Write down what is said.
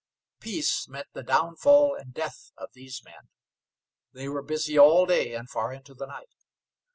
Peace meant the downfall and death of these men. They were busy all day and far into the night.